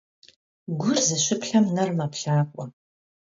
Gur zışıplhem, ner meplhakhue.